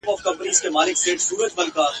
اصفهان چي یې لړزیږي له نامه د شاه محموده !.